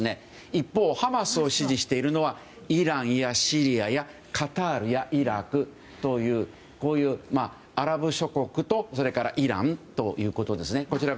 一方、ハマスを支持しているのはイランやシリヤやカタールやイラクというアラブ諸国とそれからイランということですね。